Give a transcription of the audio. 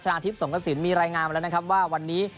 นาทิพย์สงกระสินมีรายงานมาแล้วนะครับว่าวันนี้